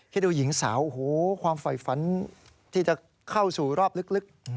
ดูหญิงสาวโอ้โหความฝ่ายฝันที่จะเข้าสู่รอบลึก